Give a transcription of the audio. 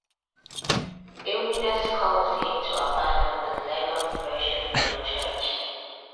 Illness caused him to abandon the legal profession for the church.